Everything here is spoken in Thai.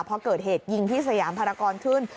พอเกิดเหตุยิงที่สยามภารกรขึ้น